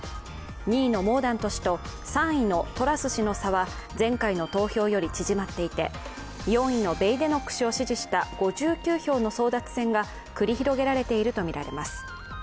２位のモーダント氏と３位のトラス氏の差は前回の投票より縮まっていて４位のベイデノック氏を支持した５９票の争奪戦が繰り広げられていると見られます。